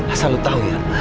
asal lu tau ya